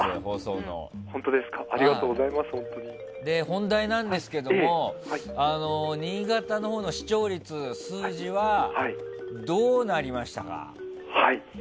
本題なんですけども新潟のほうの視聴率数字はどうなりましたか？